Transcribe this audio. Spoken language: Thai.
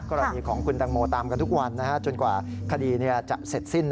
กรณีของคุณตังโมตามกันทุกวันจนกว่าคดีจะเสร็จสิ้น